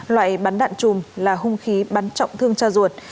loại bắn đạn trùm là hung khí bắn trọng thương tra ruột